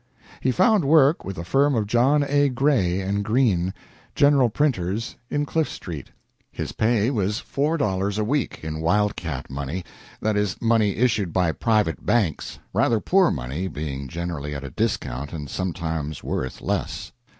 He found work with the firm of John A. Gray & Green, general printers, in Cliff Street. His pay was four dollars a week, in wild cat money that is, money issued by private banks rather poor money, being generally at a discount and sometimes worth less.